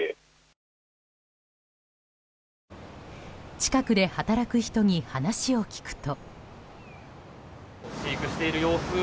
近くで働く人に話を聞くと。